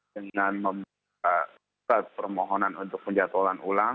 dengan membuka permohonan untuk penjatuhan ulang